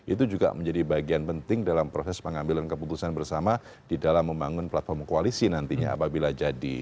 itu juga menjadi bagian penting dalam proses pengambilan keputusan bersama di dalam membangun platform koalisi nantinya apabila jadi